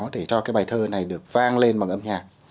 để cho cái bài thơ này được vang lên bằng âm nhạc